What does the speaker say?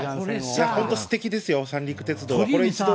本当、すてきですよ、三陸鉄道は。